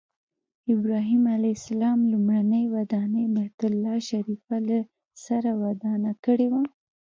ابراهیم علیه السلام لومړنۍ ودانۍ بیت الله شریفه له سره ودانه کړې وه.